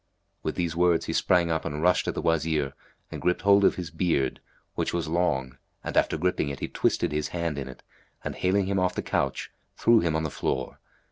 '" With these words, he sprang up and rushed at the Wazir and gripped hold of his beard (which was long[FN#273]) and, after gripping it, he twisted his hand in it and haling him off the couch, threw him on the floor.